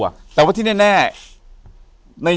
อยู่ที่แม่ศรีวิรัยิลครับ